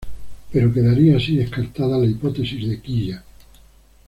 Pero quedaría así descartada la hipótesis de Kiya.